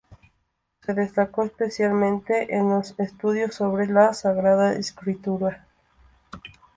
Se destacó especialmente en los estudios sobre la Sagrada Escritura.